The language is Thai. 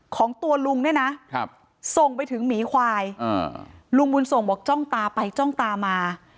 ของตัวลุงเนี่ยนะส่งไปถึงหมีควายลุงบุญส่งบอกจ้องตาไปจ้องตามา